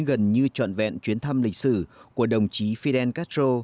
gần như trọn vẹn chuyến thăm lịch sử của đồng chí fidel castro